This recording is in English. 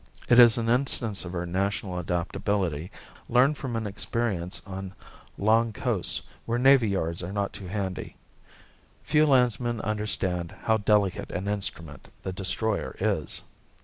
It is an instance of our national adaptability, learned from an experience on long coasts where navy yards are not too handy. Few landsmen understand how delicate an instrument the destroyer is.